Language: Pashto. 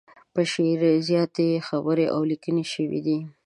په شعر زياتې خبرې او ليکنې شوي دي.